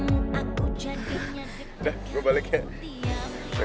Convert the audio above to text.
udah gue balik ya